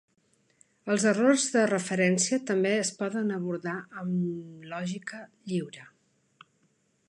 Els errors de referència també es poden abordar amb lògica lliure.